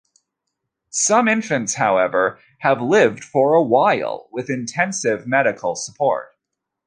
Some infants, however, have lived for a while with intensive medical support.